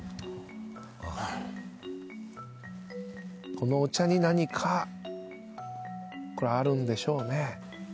このお茶に何かあるんでしょうね。